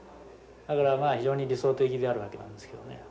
だからまあ非常に理想的である訳なんですけどね。